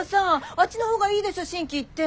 あっちの方がいいでしょ心機一転。